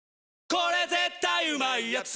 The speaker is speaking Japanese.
これ絶対うまいやつ」